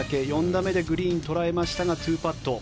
４打目でグリーンを捉えましたが２パット。